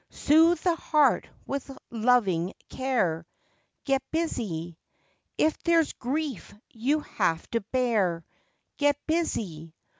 Soothe the heart with loving care, Get busy. If there's grief you have to bear, Get busy.